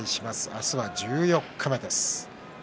明日は十四日目です。